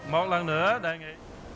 một lần nữa đại nghị